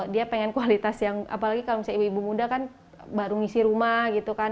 dia pengen kualitas yang apalagi kalau misalnya ibu ibu muda kan baru ngisi rumah gitu kan